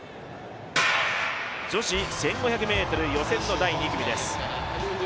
女子１５００ｍ予選の第２組です。